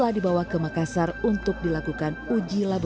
saat itu rijawaya miskinnya menunggu mitra utama masuk ke perusahaan iklan itu